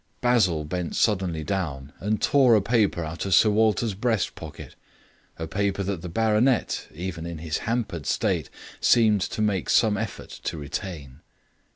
Basil bent suddenly down and tore a paper out of Sir Walter's breastpocket, a paper which the baronet, even in his hampered state, seemed to make some effort to retain.